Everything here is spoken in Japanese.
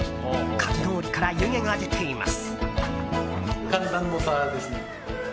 かき氷から湯気が出ています。